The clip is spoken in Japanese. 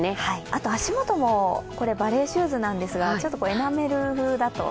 あと、足元もバレエシューズですが、エメナル風だと